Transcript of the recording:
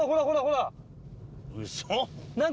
うそ。